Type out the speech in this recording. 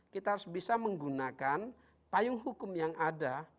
kita harus bisa menggunakan payung hukum yang ada